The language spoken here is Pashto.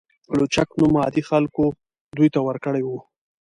لوچک نوم عادي خلکو دوی ته ورکړی و.